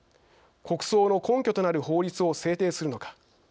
国葬の根拠となる法律を制定するのか。